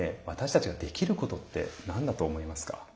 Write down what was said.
私たちができることって何だと思いますか？